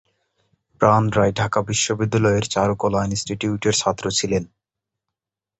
প্রাণ রায় ঢাকা বিশ্ববিদ্যালয়ের চারুকলা ইন্সটিটিউটের ছাত্র ছিলেন।